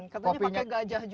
katanya pakai gajah juga